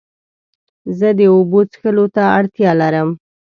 زه د اوبو څښلو ته اړتیا لرم.